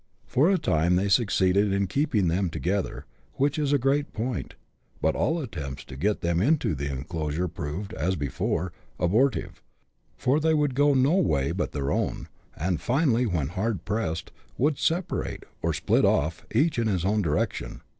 For a time they succeeded in keeping them together, which is a great point ; but all attempts to get them into the enclosure proved, as before, abortive, for they would go no way but their own ; and, finally, when hard pressed, would separate, or " split off," each in his own direction.